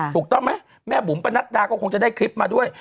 ถูกต้องไหมแม่บุ๋มประนัดดาก็คงจะได้คลิปมาด้วย